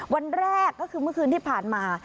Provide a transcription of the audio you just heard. วันแรกก็คือเมื่อคืนที่ผ่านมา